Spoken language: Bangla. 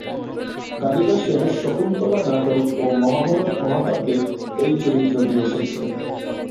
কালিদাসের শকুন্তলা নাটক ও মহাভারত মহাকাব্যে এই চরিত্রটি এসেছে।